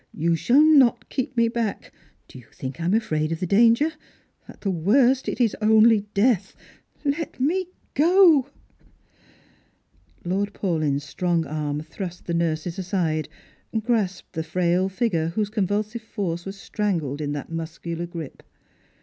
You shall not keep me back. Do you think lam afraid of the danger? At the worst it is only death. Let me go ?" Lord Paulyn's strong arm thrust the nurses aside, grasped the frail figure, whose convulsive force was strangled in that muscular grip.